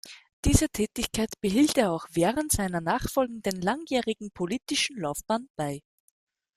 Diese Tätigkeit behielt er auch während seiner nachfolgenden langjährigen politischen Laufbahn bei.